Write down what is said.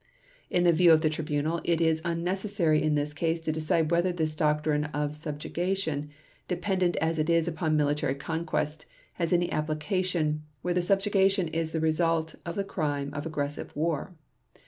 In the view of the Tribunal it is unnecessary in this case to decide whether this doctrine of subjugation, dependent as it is upon military conquest, has any application where the subjugation is the result of the crime of aggressive war.